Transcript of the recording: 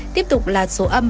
tiếp tục là số ấm